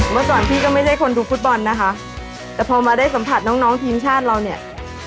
เมื่อก่อนพี่ก็ไม่ใช่คนดูฟุตบอลนะคะแต่พอมาได้สัมผัสน้องน้องทีมชาติเราเนี่ย